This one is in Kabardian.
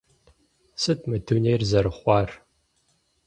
Сыт мы дунейр зэрыхъуар?